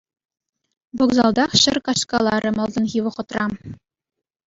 Вокзалтах ҫӗр каҫкаларӗ малтанхи вӑхӑтра.